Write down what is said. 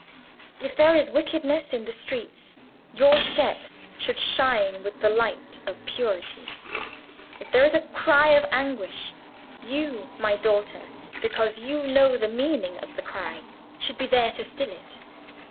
If there is wickedness in the streets, your steps should shine with the light of purity; if there is a cry of anguish, you, my daughter, because you know the meaning of the cry, should be there to still it.